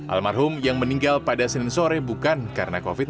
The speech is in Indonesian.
almarhum yang meninggal pada senin sore bukan karena covid sembilan belas